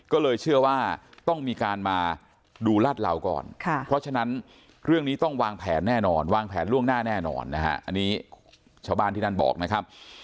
ก็เลยเชื่อว่าต้องมีการมาดูลาดเหลาก่อนเพราะฉะนั้นเรื่องนี้ต้องวางแผนแน่นอนวางแผนล่วงหน้าแน่นอนนะฮะอันนี้ชาวบ้านที่นั่นบอกนะครับ